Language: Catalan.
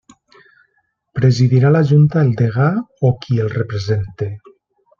Presidirà la Junta el degà o qui el represente.